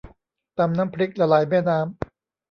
ตำน้ำพริกละลายแม่น้ำ